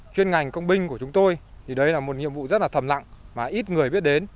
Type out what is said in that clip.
chuyên ngành công binh của chúng tôi thì đấy là một nhiệm vụ rất là thầm lặng mà ít người biết đến